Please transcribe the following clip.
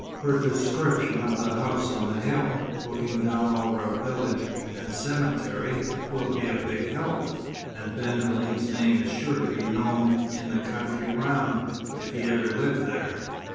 Her description of the house on the hill, looking down over a village and cemetery, will be a big help. And Ben Halim's name is sure to be known in the country round, if he ever lived there."